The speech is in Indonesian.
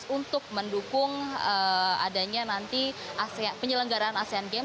untuk mendukung adanya nanti penyelenggaran asean games